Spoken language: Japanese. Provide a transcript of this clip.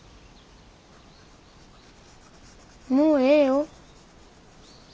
もうええよ。